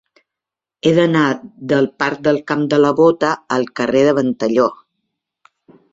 He d'anar del parc del Camp de la Bota al carrer de Ventalló.